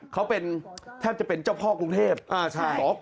เขาเป็นแทบจะเป็นเจ้าพ่อกรุงเทพ